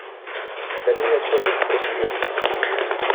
la Niña Chole prosiguió: